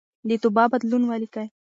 د تبه بدلون ولیکئ.